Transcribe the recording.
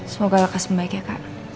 semoga lekas membaik ya kak